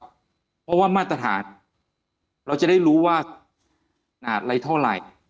เพราะว่ามาตรฐานเราจะได้รู้ว่าขนาดอะไรเท่าไหร่